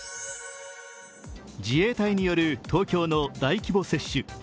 自衛隊による東京の大規模接種。